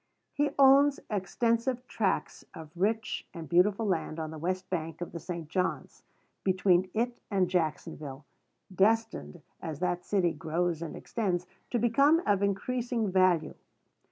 He owns extensive tracts of rich and beautiful land on the west bank of the St. John's, between it and Jacksonville, destined, as that city grows and extends, to become of increasing value.